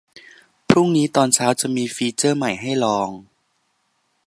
พรุ่งนี้ตอนเช้าจะมีฟีเจอร์ใหม่ให้ลอง